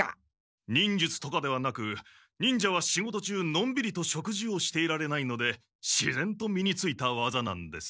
忍術とかではなく忍者は仕事中のんびりと食事をしていられないのでしぜんと身についたわざなんです。